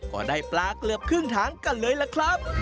ก็ได้ปลาเกือบครึ่งถังกันเลยล่ะครับ